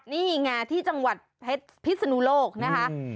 นี่ไงที่จังหวัดพิษนุโลกนะครับ